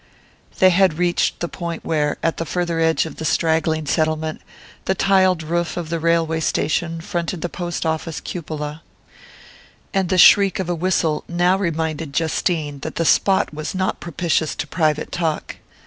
They had reached the point where, at the farther edge of the straggling settlement, the tiled roof of the railway station fronted the post office cupola; and the shriek of a whistle now reminded Justine that the spot was not propitious to private talk.